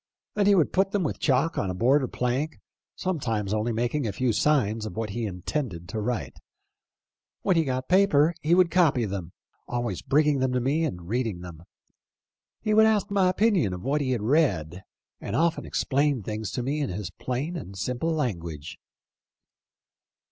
Then he would put them with chalk on a board or plank, sometimes only making a few signs of what he intended to write. When he got paper he would copy them, always bringing them to me and reading them. He would ask my opinion of what he had read, and often explained things to me in his plain and simple language."